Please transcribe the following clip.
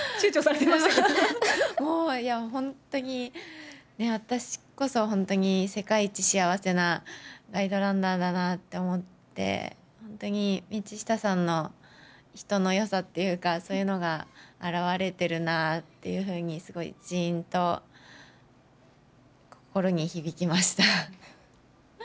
もう、本当に私こそ本当に世界一幸せなガイドランナーだなって思って、本当に道下さんの人のよさっていうか、そういうのが表れてるなっていうふうに、すごいじーんと心に響きました。